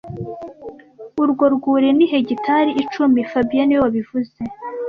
Urwo rwuri ni hegitari icumi fabien niwe wabivuze